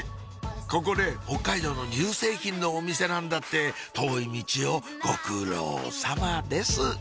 ここね北海道の乳製品のお店なんだって遠いミチをご苦労さまです